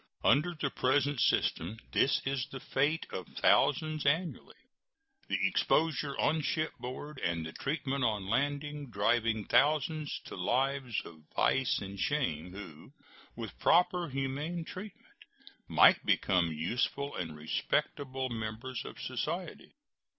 Under the present system this is the fate of thousands annually, the exposures on shipboard and the treatment on landing driving thousands to lives of vice and shame who, with proper humane treatment, might become useful and respectable members of society.